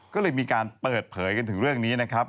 ก็เลยมีการเปิดเผยกันถึงเรื่องนี้นะครับ